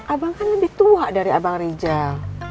abang kan lebih tua dari abang rijal